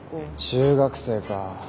中学生か。